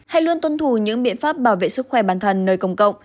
hãy luôn tuân thủ những biện pháp bảo vệ sức khỏe bản thân nơi công cộng